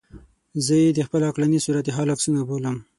زه یې د خپل عقلاني صورتحال عکسونه بولم.